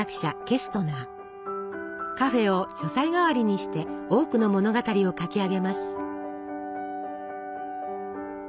カフェを書斎代わりにして多くの物語を書き上げます。